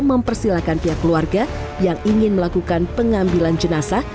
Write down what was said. menjelaskan bahwa ada beberapa keluarga yang ingin melakukan pengambilan jenasa